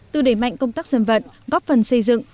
từ đẩy mạnh công tác dân vận góp phần xây dựng